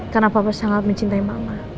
karena papa sangat mencintai mama